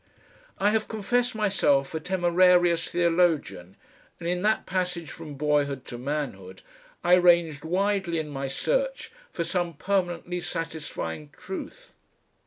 I have confessed myself a temerarious theologian, and in that passage from boyhood to manhood I ranged widely in my search for some permanently satisfying Truth.